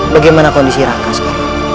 bagaimana kondisi raka sekarang